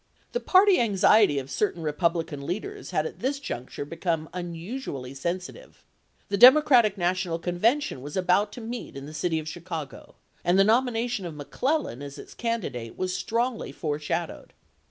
The party anxiety of certain Eepublican leaders had at this juncture become unusually sensitive. The Democratic National Convention was about to meet in the city of Chicago, and the nomination of McClellan as its candidate was strongly fore shadowed.